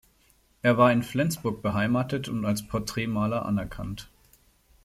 Er war in Flensburg beheimatet und als Porträtmaler anerkannt.